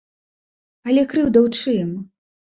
Але крыўда ў чым?